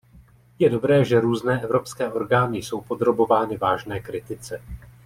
Je dobré, že různé evropské orgány jsou podrobovány vážné kritice.